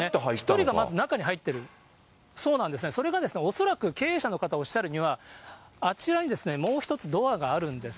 １人がまず中に入ってる、そうなんですね、それが恐らく、経営者の方、おっしゃるには、あちらにもう１つドアがあるんです。